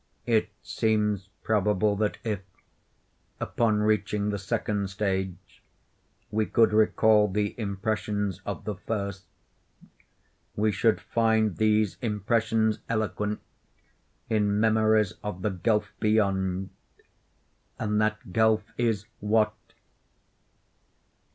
It seems probable that if, upon reaching the second stage, we could recall the impressions of the first, we should find these impressions eloquent in memories of the gulf beyond. And that gulf is—what?